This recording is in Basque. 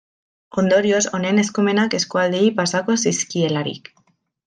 Ondorioz, honen eskumenak eskualdeei pasako zizkielarik.